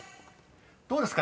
［どうですか？